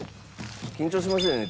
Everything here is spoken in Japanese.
緊張しますよね